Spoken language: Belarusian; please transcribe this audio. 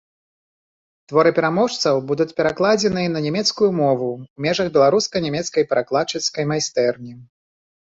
Творы пераможцаў будуць перакладзеныя на нямецкую мову ў межах беларуска-нямецкай перакладчыцкай майстэрні.